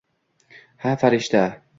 -Ha, farishta!